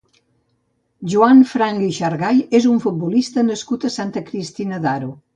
Joan Franch i Xargay és un futbolista nascut a Santa Cristina d'Aro.